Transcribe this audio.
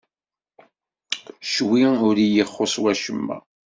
Ccwi ur iyi-ixuṣṣ wacemma.